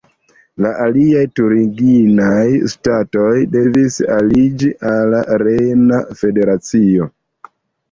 La aliaj turingiaj ŝtatoj devis aliĝi al Rejna Federacio.